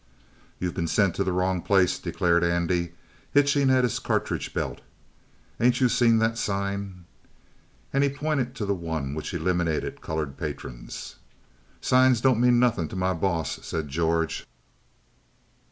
"You been sent to the wrong place," declared Andy, hitching at his cartridge belt. "Ain't you seen that sign?" And he pointed to the one which eliminated colored patrons. "Signs don't mean nothin' to my boss," said George.